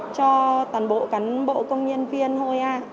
cho toàn bộ cán bộ công nhân viên hội a